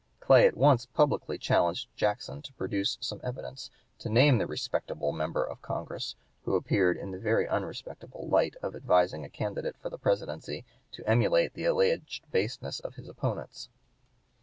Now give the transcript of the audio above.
Clay at once publicly challenged Jackson to produce some evidence to name the "respectable" member of Congress who appeared in the very unrespectable light of (p. 186) advising a candidate for the Presidency to emulate the alleged baseness of his opponents.